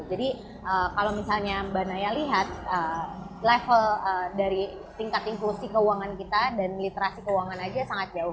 jadi kalau misalnya mbak naya lihat level dari tingkat inklusi keuangan kita dan literasi keuangan aja sangat jauh